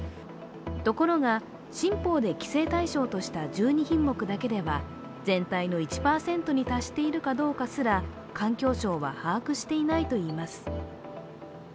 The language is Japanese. ところが、新法で規制対象とした１２品目だけでは全体の１％に達しているかどうかすら環境省は把握していてないといいます。